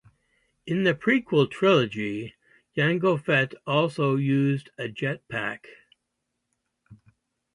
In the prequel trilogy, Jango Fett also used a jet pack.